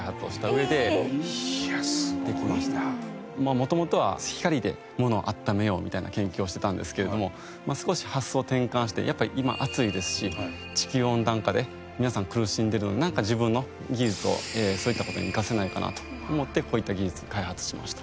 もともとは光で物を温めようみたいな研究をしてたんですけれども少し発想を転換してやっぱり今暑いですし地球温暖化で皆さん苦しんでるので自分の技術をそういった事に生かせないかなと思ってこういった技術を開発しました。